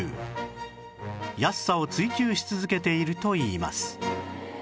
安さを追求し続けているといいます